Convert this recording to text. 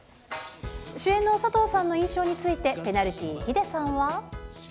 主演の佐藤さんの印象について、ペナルティ・ヒデさんは。